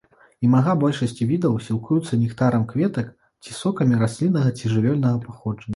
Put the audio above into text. Імага большасці відаў сілкуюцца нектарам кветак ці сокамі расліннага ці жывёльнага паходжання.